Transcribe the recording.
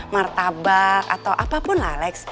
martabak atau apapun alex